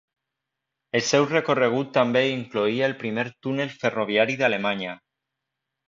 El seu recorregut també incloïa el primer túnel ferroviari d'Alemanya.